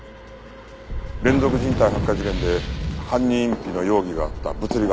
連続人体発火事件で犯人隠避の容疑があった物理学者だ。